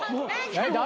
誰？